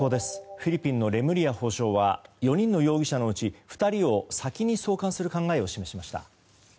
フィリピンのレムリヤ法相は４人の容疑者のうち２人を先に送還する考えを示しました。